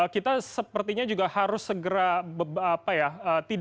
kita sepertinya juga harus segera tidak mengadopsi